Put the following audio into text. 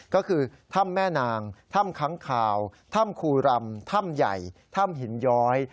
ก็คือถ้ำแม่นางถ้ำค้างคาวถ้ำคูรำถ้ำใหญ่ถ้ำหินย้อย